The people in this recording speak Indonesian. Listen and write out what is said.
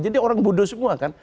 jadi orang budo semua kan